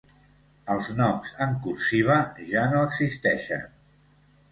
Els noms en cursiva ja no existeixen.